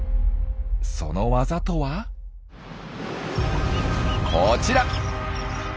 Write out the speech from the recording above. そのワザとはこちら。